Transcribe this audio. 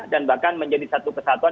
dan bahkan menjadi satu kesatuan